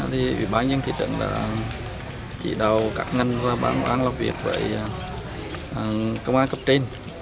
thì bà nhung thị trấn chỉ đào các ngân ra bán bán làm việc vậy